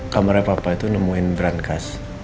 kamarnya papa itu nemuin brand khas